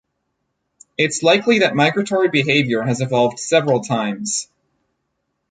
It is likely that migratory behaviour has evolved several times.